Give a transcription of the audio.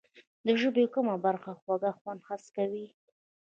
د ژبې کومه برخه خوږ خوند حس کوي؟